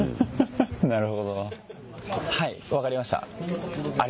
はい分かりました。